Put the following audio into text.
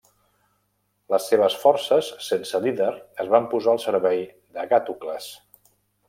Les seves forces, sense líder, es van posar al servei d'Agàtocles.